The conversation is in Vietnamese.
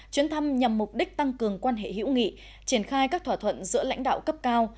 chuyến thăm nhằm mục đích tăng cường quan hệ hữu nghị triển khai các thỏa thuận giữa lãnh đạo cấp cao